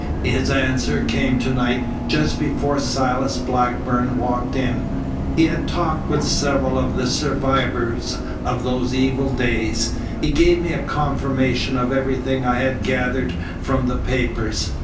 His answer came to night just before Silas Blackburn walked in. He had talked with several of the survivors of those evil days. He gave me a confirmation of everything I had gathered from the papers.